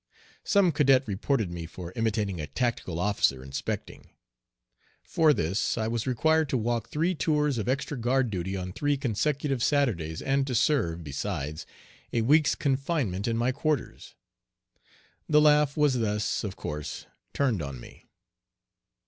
Some cadet reported me for "imitating a tactical officer inspecting." For this I was required to walk three tours of extra guard duty on three consecutive Saturdays, and to serve, besides, a week's confinement in my quarters. The "laugh" was thus, of course, turned on me.